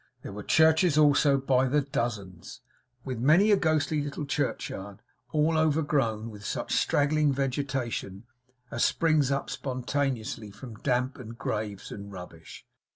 There were churches also by dozens, with many a ghostly little churchyard, all overgrown with such straggling vegetation as springs up spontaneously from damp, and graves, and rubbish.